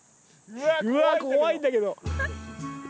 うわ怖いんだけど。